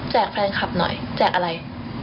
แฟนคลับหน่อยแจกอะไร